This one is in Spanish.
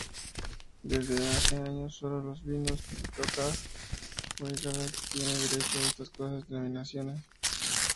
Desde ese año sólo los vinos de Tokaj-Hegyalja tienen derecho a esas denominaciones.